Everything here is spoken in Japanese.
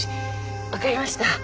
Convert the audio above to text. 分かりました。